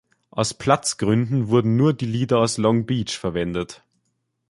Aus Platzgründen wurden nur die Lieder aus Long Beach verwendet.